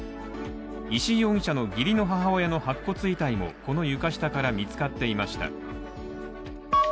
石井容疑者の義理の母親の白骨遺体もこの床下から見つかっていました。